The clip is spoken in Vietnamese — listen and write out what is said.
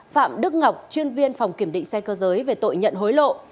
phạm đức ngọc chuyên viên phòng kiểm định xe cơ giới về tội nhận hối lộ